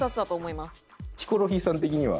ヒコロヒーさん的には？